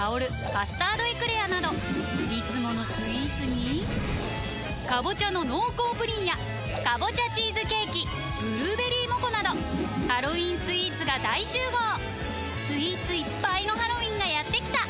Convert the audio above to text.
「カスタードエクレア」などいつものスイーツに「かぼちゃの濃厚プリン」や「かぼちゃチーズケーキ」「ぶるーべりーもこ」などハロウィンスイーツが大集合スイーツいっぱいのハロウィンがやってきた！